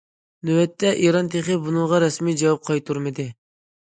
نۆۋەتتە ئىران تېخى بۇنىڭغا رەسمىي جاۋاب قايتۇرمىدى.